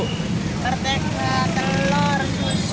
mertega telur susu